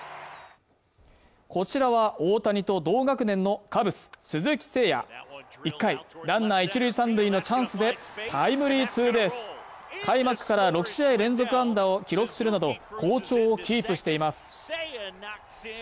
こちらは大谷と同学年のカブス・鈴木誠也１回ランナー１塁３塁のチャンスでタイムリーツーベース開幕から６試合連続安打を記録するなど好調をキープしています